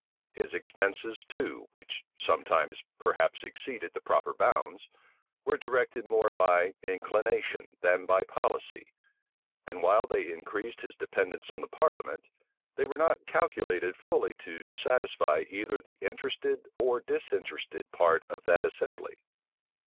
His expenses, too, which sometimes, perhaps, exceeded the proper bounds, were directed more by inclination than by policy; and while they increased his dependence on the parliament, they were not calculated fully to satisfy either the interested or disinterested part of that assembly.